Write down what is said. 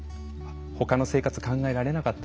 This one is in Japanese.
他の生活考えられなかった。